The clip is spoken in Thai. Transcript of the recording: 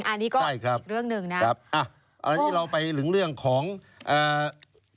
จริงอันนี้ก็อีกเรื่องหนึ่งนะครับอันนี้เราไปหลุงเรื่องของใครอีก